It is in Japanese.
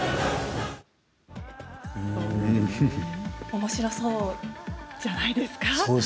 おもしろそうじゃないですか？